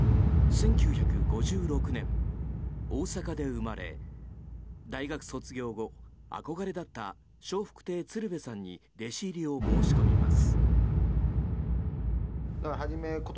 １９５６年、大阪で生まれ大学卒業後憧れだった笑福亭鶴瓶さんに弟子入りを申し込みます。